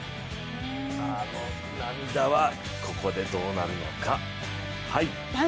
あの涙はここでどうなるのか。